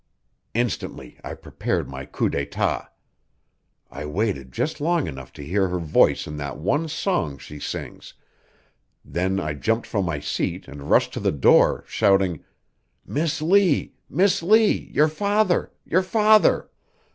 Instantly I prepared my coup d'êtat. I waited just long enough to hear her voice in that one song she sings, then I jumped from my seat and rushed to the door, shouting, 'Miss Lee! Miss Lee! Your father! Your father!'